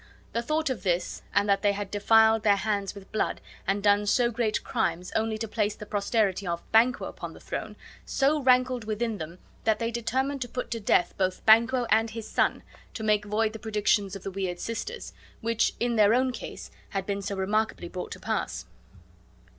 The thought of this, and that they had defiled their hands with blood, and done so great crimes, only to place the posterity of Banquo upon the throne, so rankled within them that they determined to put to death both Banquo and his son, to make void the predictions of the weird sisters, which in their own case had been so remarkably brought to pass.